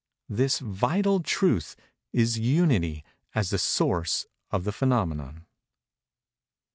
This "vital truth" is Unity as the source of the phænomenon.